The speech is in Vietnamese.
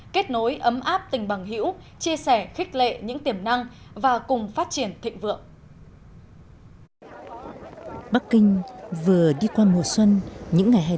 kết nối ấm áp tình bằng hữu chia sẻ khích lệ những tiềm năng và cùng phát triển thịnh vượng